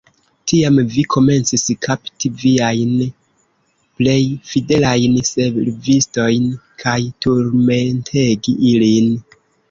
Tiam vi komencis kapti viajn plej fidelajn servistojn kaj turmentegi ilin.